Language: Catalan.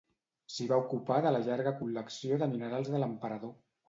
S'hi va ocupar de la llarga col·lecció de minerals de l'emperador.